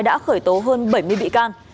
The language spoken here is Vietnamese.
đã khởi tố hơn bảy mươi bị can